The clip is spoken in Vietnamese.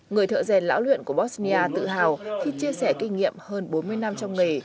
người thợ rèn lão luyện của bosnia tự hào khi chia sẻ kinh nghiệm hơn bốn mươi năm trong nghề